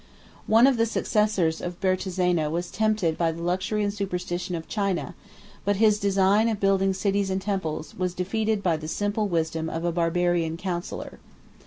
One of the successors of Bertezena was tempted by the luxury and superstition of China; but his design of building cities and temples was defeated by the simple wisdom of a Barbarian counsellor.